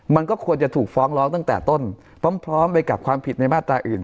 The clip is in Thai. มันก็ควรจะถูกฟ้องร้องตั้งแต่ต้นพร้อมไปกับความผิดในมาตราอื่น